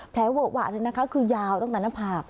เวอะหวะเลยนะคะคือยาวตั้งแต่หน้าผาก